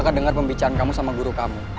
jangan tangan kaki beda dariku